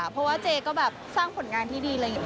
เพราะว่าเจ๊ก็สร้างผลงานที่ดีเลย